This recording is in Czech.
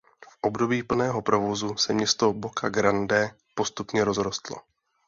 V období plného provozu se město Boca Grande postupně rozrostlo.